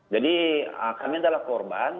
jadi kami adalah korban